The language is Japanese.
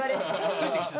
ついてきてた？